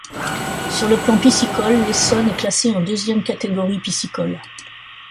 Sur le plan piscicole, l'Essonne est classé en deuxième catégorie piscicole.